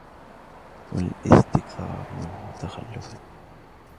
وَالِاسْتِكْثَارَ مِنْهُ تَخَلُّفًا